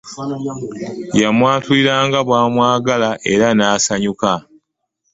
Yamwatulira nga bwamawagala era nasanyuka .